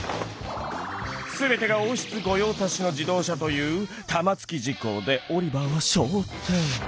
全てが王室御用達の自動車という玉突き事故でオリバーは昇天。